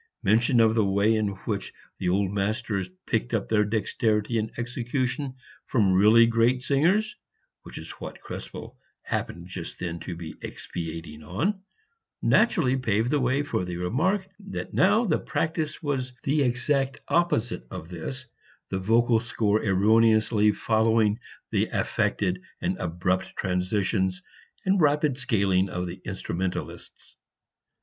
Mention of the way in which the old masters picked up their dexterity in execution from really great singers (which was what Krespel happened just then to be expatiating upon) naturally paved the way for the remark that now the practice was the exact opposite of this, the vocal score erroneously following the affected and abrupt transitions and rapid scaling of the instrumentalists.